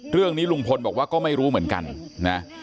เรื่องนี้ลุงพลบอกว่าก็ไม่รู้เหมือนกันนะ